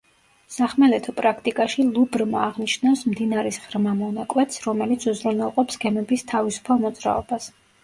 სახმელეთო პრაქტიკაში ლუბრმა აღნიშნავს მდინარის ღრმა მონაკვეთს, რომელიც უზრუნველყოფს გემების თავისუფალ მოძრაობას.